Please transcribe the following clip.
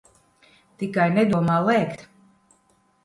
Tikai nedomā lēkt.